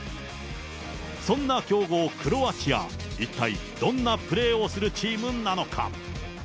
そんな強豪、クロアチア、一体どんなプレーをするチームなのか。